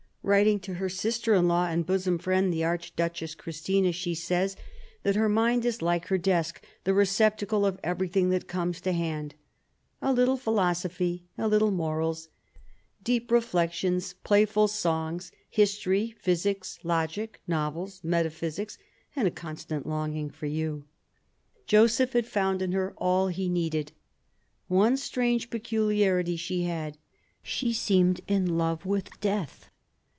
Writing to her sister in law and bosom friend the Archduchess Christina, she says that her mind is 1758 65 DOMESTIC AFFAIRS 195 like her desk, the receptacle of everything that comes to hand: "a little philosophy, a little morals, deep re flections, playful songs, history, physics, logic, novels, metaphysics, and a constant longing for you." Joseph had found in her all he needed. One strange peculiarity she had, she seemed in love with death.